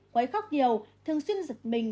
quấy khóc nhiều thường xuyên giật mình